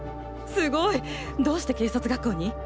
すごい。どうして警察学校に？